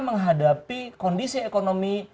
menghadapi kondisi ekonomi